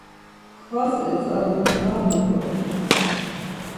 Kvas etzadu var motzondu.